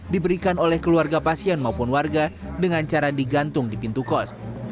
diberikan oleh keluarga pasien maupun warga dengan cara digantung di pintu kos